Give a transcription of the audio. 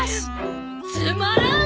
つまらん！